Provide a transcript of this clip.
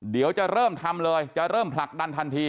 เดี๋ยวจะเริ่มทำเลยจะเริ่มผลักดันทันที